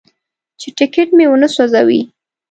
چې ټکټ مې ونه سوځوي.